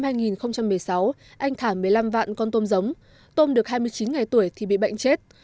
năm hai nghìn một mươi sáu anh thả một mươi năm vạn con tôm giống tôm được hai mươi chín ngày tuổi thì bị bệnh chết